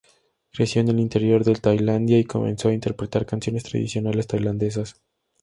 Creció en el interior del Tailandia y comenzó a interpretar canciones tradicionales tailandesas.